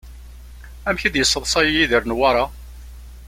Amek i d-yesseḍṣay Yidir Newwara?